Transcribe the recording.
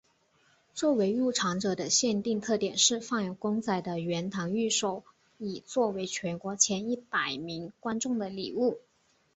作为入场者的限定特典是放有公仔的圆堂御守以作为全国前一百万名观众的礼物。